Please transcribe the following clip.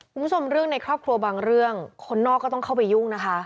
คุณผู้ชมเรื่องในครอบครัวบางเรื่องคนนอกก็ต้องเข้าไปยุ่งนะคะ